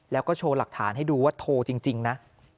แล้วก็โชว์หลักฐานให้ดูว่าโทรจริงนะ